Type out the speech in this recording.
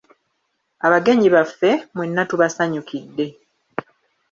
Abagenyi baffe, mwenna tubasanyukidde!